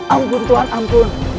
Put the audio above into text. ampun tuhan ampun